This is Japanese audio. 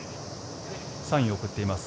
サインを送っています。